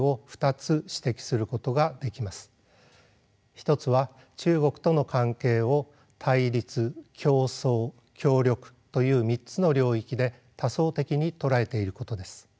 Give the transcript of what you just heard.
一つは中国との関係を対立競争協力という３つの領域で多層的に捉えていることです。